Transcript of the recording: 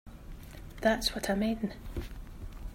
That's what I mean.